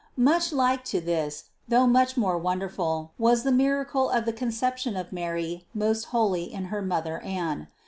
214. Much like to this, though much more wonder ful, was the miracle of the Conception of Mary most holy in her mother Anne.